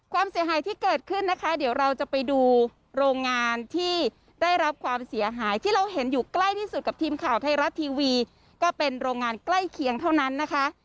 ความเสียหายที่เกิดขึ้นนะคะเดี๋ยวเราจะไปดูโรงงานที่ได้รับความเสียหายที่เราเห็นอยู่ใกล้ที่สุดกับทีมข่าวไทยรัฐทีวีก็เป็นโรงงานใกล้เคียงเท่านั้นนะคะ